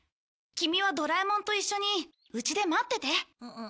キミはドラえもんと一緒にうちで待ってて。